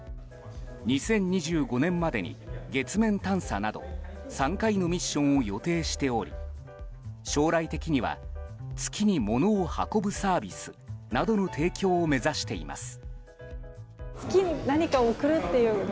２０２５年までに、月面探査など３回のミッションを予定しており将来的には月にものを運ぶサービスなどの提供を目指しています。